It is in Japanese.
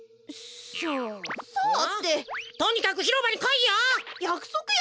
とにかくひろばにこいよ！